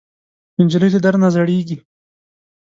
نجلۍ له درد نه زړېږي.